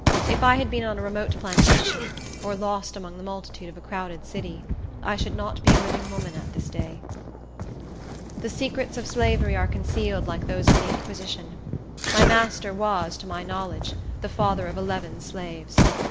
If I had been on a remote plantation, or lost among the multitude of a crowded city, I should not be a living woman at this day. The secrets of slavery are concealed like those of the Inquisition. My master was, to my knowledge, the father of eleven slaves.